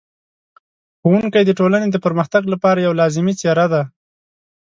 ښوونکی د ټولنې د پرمختګ لپاره یوه لازمي څېره ده.